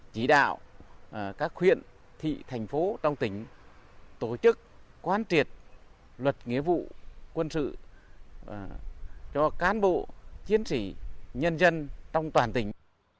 chỉ đạo các huyện thị thành phố trong tỉnh tổ chức quan triệt luật nghĩa vụ quân sự cho cán bộ chiến sĩ nhân dân trong toàn tỉnh